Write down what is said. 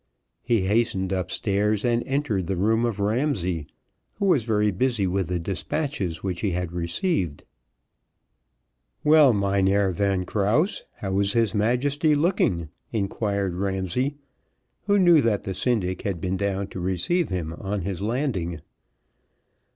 He hastened upstairs and entered the room of Ramsay, who was very busy with the despatches which he had received. "Well, Mynheer Van Krause, how is his Majesty looking," inquired Ramsay, who knew that the syndic had been down to receive him on his landing.